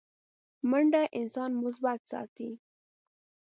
منډه انسان مثبت ساتي